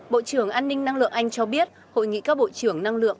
bộ trưởng an ninh năng lượng anh cho biết hội nghị các bộ trưởng năng lượng